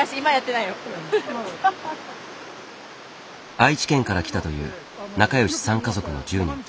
愛知県から来たという仲よし３家族の１０人。